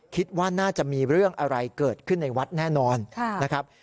คิดว่าน่าจะมีเรื่องอะไรเกิดขึ้นในวัดแน่นอนนะครับ